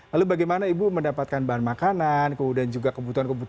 lalu bagaimana ibu mendapatkan bahan makanan kewudahan makanan yang terbaik